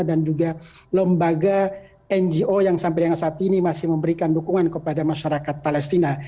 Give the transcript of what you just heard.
dan juga lembaga ngo yang sampai dengan saat ini masih memberikan dukungan kepada masyarakat palestina